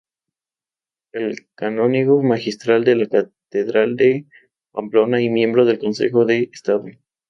Fue canónigo magistral de la catedral de Pamplona y miembro del Consejo de Estado.